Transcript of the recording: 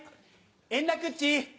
円楽っち。